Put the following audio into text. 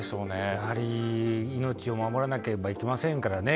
やはり命を守らなければいけませんからね。